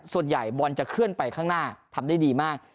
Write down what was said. ส่วนใหญ่บอลจะเคลื่อนไปข้างหน้าทำได้ดีมาก